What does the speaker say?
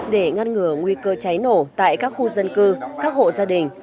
để ngăn ngừa nguy cơ cháy nổ tại các khu dân cư các hộ gia đình